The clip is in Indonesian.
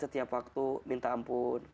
setiap waktu minta ampun